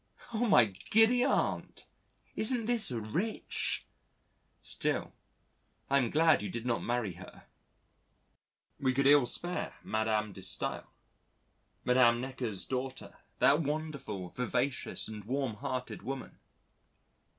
Oh my giddy Aunt! Isn't this rich? Still, I am glad you did not marry her: we could ill spare Madam de Staël, Madam Necker's daughter, that wonderful, vivacious and warmhearted woman.